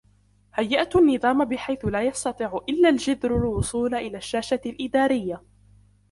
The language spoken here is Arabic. هيئتُ النظام بحيث لا يستطيع إلا الجذر الوصول إلى الشاشة الإدارية.